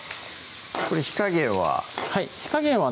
これ火加減は？